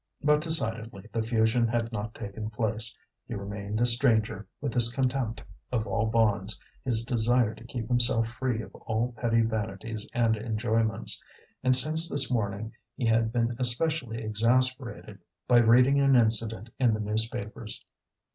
But decidedly the fusion had not taken place; he remained a stranger, with his contempt of all bonds, his desire to keep himself free of all petty vanities and enjoyments. And since this morning he had been especially exasperated by reading an incident in the newspapers.